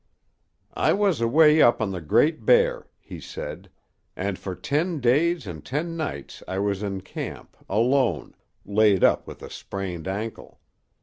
"I was away up on the Great Bear," he said, "and for ten days and ten nights I was in camp alone laid up with a sprained ankle.